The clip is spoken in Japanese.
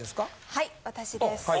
はい私です。